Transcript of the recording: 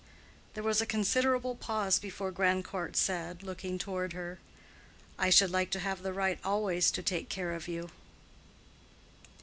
There was a considerable pause before Grandcourt said, looking toward her, "I should like to have the right always to take care of you."